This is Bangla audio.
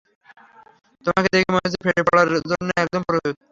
তোমাকে দেখে মনে হচ্ছে ফেটে পড়ার জন্য একদম প্রস্তুত।